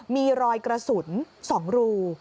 มีรอยกระสุน๒รู